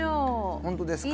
本当ですか？